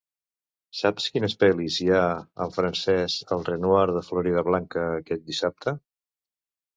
Saps quines pel·lis hi ha en francès al Renoir de Floridablanca aquest dissabte?